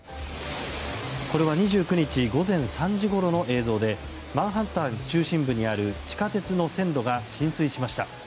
これは２９日午前３時ごろの映像でマンハッタン中心部にある地下鉄の線路が浸水しました。